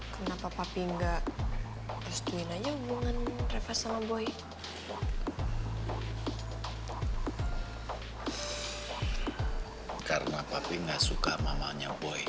kenapa papi gak restuin aja hubungan reva sama boy